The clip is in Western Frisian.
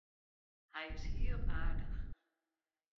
Hy is hiel aardich.